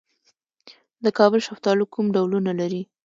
د کابل شفتالو کوم ډولونه لري؟